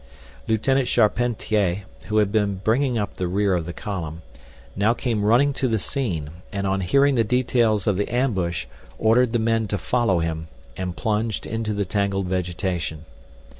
Lieutenant Charpentier, who had been bringing up the rear of the column, now came running to the scene, and on hearing the details of the ambush ordered the men to follow him, and plunged into the tangled vegetation.